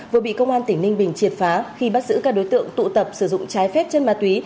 vừa bị công an tỉnh ninh bình triệt phá khi bắt giữ các đối tượng tụ tập sử dụng trái phép chân ma túy